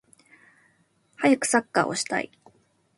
はやくサッカーをしたい